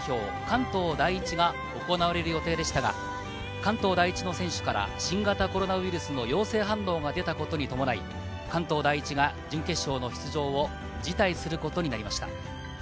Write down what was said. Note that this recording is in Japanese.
・関東第一が行われる予定でしたが、関東第一の選手から新型コロナウイルスの陽性反応が出たことに伴い、関東第一が準決勝の出場を辞退することになりました。